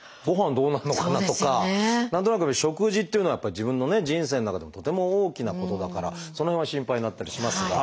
どうなんのかなとか何となく食事っていうのはやっぱり自分のね人生の中でもとても大きなことだからその辺は心配になったりしますが。